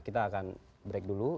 kita akan break dulu